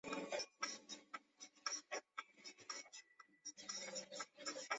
加利西亚共产党是西班牙共产党在加利西亚自治区的分支。